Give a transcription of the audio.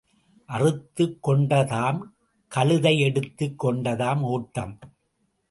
அறுத்துக் கொண்டதாம் கழுதை எடுத்துக் கொண்டதாம் ஓட்டம்.